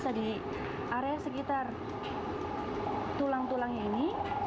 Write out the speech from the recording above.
bisa di area sekitar tulang tulangnya ini